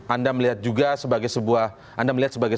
anda melihat juga sebagai